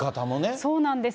そうなんです。